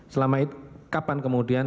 selama itu kapan kemudian